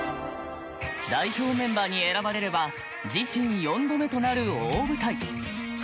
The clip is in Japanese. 代表メンバーに選ばれれば自身４度目となる大舞台。